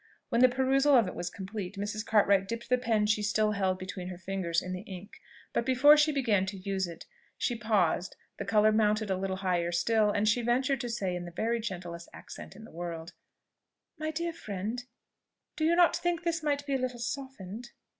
When the perusal of it was completed, Mrs. Cartwright dipped the pen she still held between her fingers, in the ink; but before she began to use it, she paused, the colour mounted a little higher still, and she ventured to say in the very gentlest accent in the world, "My dear friend, do you not think this might be a little softened?"